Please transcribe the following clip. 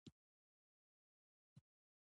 • ښه ملګری د زړه درمل دی.